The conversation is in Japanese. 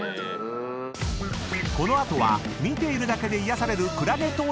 ［この後は見ているだけで癒やされるクラゲ登場！］